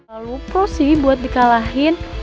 gak lupa sih buat di kalahin